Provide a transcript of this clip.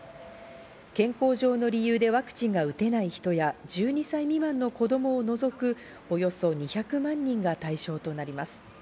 健康上の理由でワクチンが打てない人や、１２歳未満の子供を除くおよそ２００万人が対象となります。